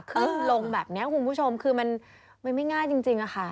ขึ้นลงแบบนี้คุณผู้ชมคือมันไม่ง่ายจริงค่ะ